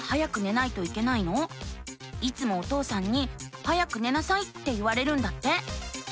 いつもお父さんに「早く寝なさい」って言われるんだって。